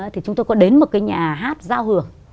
thì chúng tôi có đến một cái nhà hát giao hưởng